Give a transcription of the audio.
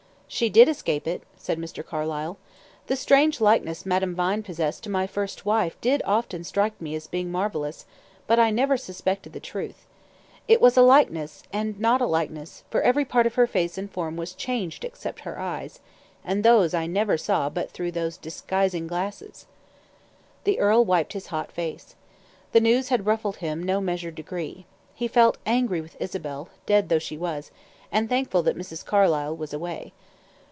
"She did escape it," said Mr. Carlyle. "The strange likeness Madame Vine possessed to my first wife did often strike me as being marvelous, but I never suspected the truth. It was a likeness, and not a likeness, for every part of her face and form was changed except her eyes, and those I never saw but through those disguising glasses." The earl wiped his hot face. The news had ruffled him no measured degree. He felt angry with Isabel, dead though she was, and thankful that Mrs. Carlyle was away.